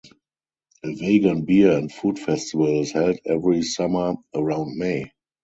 A vegan beer and food festival is held every summer around May.